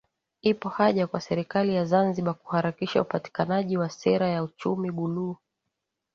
Ipo haja kwa Serikali ya Zanzibar kuharakisha upatikanaji wa sera ya uchumi buluu